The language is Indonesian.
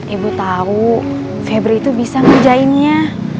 ibu tahu febri itu bisa ngerjainnya